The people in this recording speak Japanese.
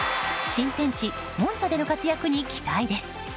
新天地モンツァでの活躍に期待です。